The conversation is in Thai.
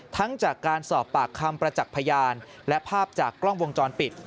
จากการสอบปากคำประจักษ์พยานและภาพจากกล้องวงจรปิด